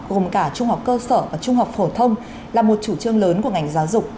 gồm cả trung học cơ sở và trung học phổ thông là một chủ trương lớn của ngành giáo dục